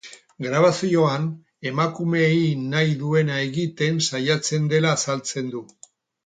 Grabazioan, emakumeei nahi duena egiten saiatzen dela azaltzen du.